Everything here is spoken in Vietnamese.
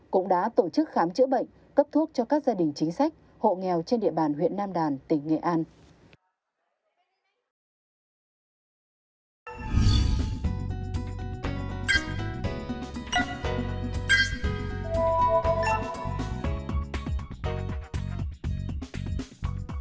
cũng đã tổ chức khám chữa bệnh cấp thuốc cho các gia đình chính sách hộ nghèo trên địa bàn huyện nam đàn tỉnh nghệ an